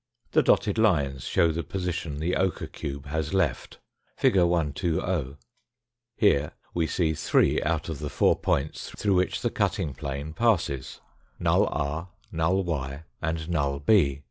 The dotted lines show the position the ochre cube has left (fig. 120). Here we see three out j of the four points through 1*J which the cutting plane passes, null r, null y, and null b.